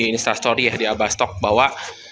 instastory ya di abastok bahwa